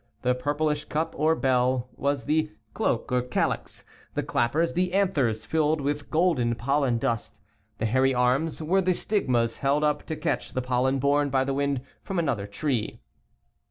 The purplish cup, or bell, was the cloak or calyx; the clappers, the anthers filled with golden pollen dust ; the hairy arms were the stigmas held up to catch the pol len borne by the wind from another tree.